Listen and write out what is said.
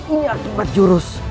ini akibat jurus